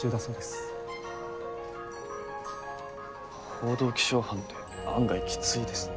報道気象班って案外きついですね。